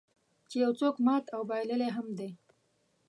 چې یو څوک مات او بایللی هم دی.